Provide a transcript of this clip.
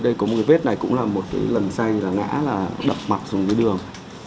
đây có một cái vết này cũng là một cái lần say là ngã là đập mặt xuống cái đường